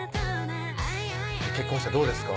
結婚してどうですか？